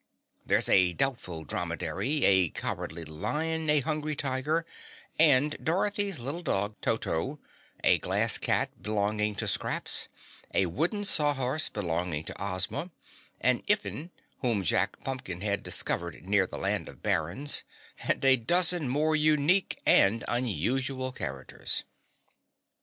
There's a doubtful dromedary, a cowardly lion, a hungry tiger, and Dorothy's little dog Toto; a glass cat belonging to Scraps, a wooden saw horse belonging to Ozma, an Iffin whom Jack Pumpkinhead discovered near the Land of Barons, and a dozen more unique and unusual characters.